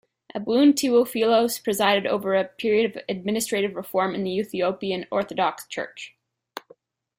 Abune Tewophilos presided over a period of administrative reform in the Ethiopian Orthodox Church.